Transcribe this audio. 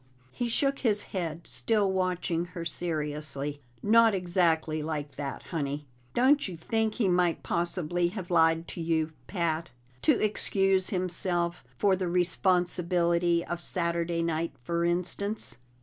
He shook his head, still watching her seriously. "Not exactly like that, Honey. Don't you think he might possibly have lied to you, Pat? To excuse himself for the responsibility of Saturday night, for instance?"